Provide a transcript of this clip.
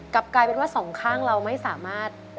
กลับกลายเป็นว่าสองข้างเราไม่สามารถ